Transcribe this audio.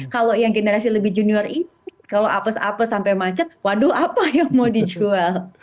kalau yang generasi lebih junior ini kalau apes apes sampai macet waduh apa yang mau dijual